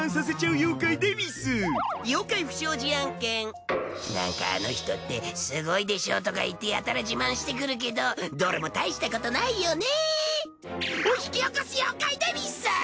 妖怪不祥事案件「なんかあの人ってすごいでしょとか言ってやたら自慢してくるけどどれもたいしたことないよね」を引き起こす妖怪でうぃす！